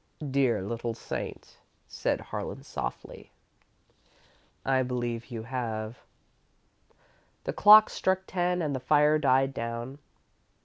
"Dear little saint," said Harlan, softly, "I believe you have." The clock struck ten and the fire died down.